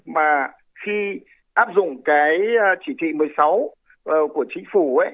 mà khi áp dụng cái chỉ thị một mươi sáu của chính phủ ấy